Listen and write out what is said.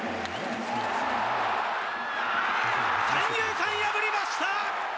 三遊間破りました。